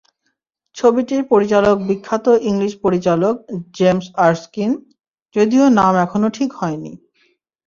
ছবিটির পরিচালক বিখ্যাত ইংলিশ পরিচালক জেমস আরস্কিন, যদিও নাম এখনো ঠিক হয়নি।